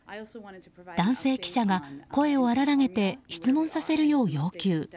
男性記者が、声を荒らげて質問させるよう要求。